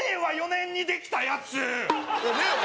４年にできたやつ令和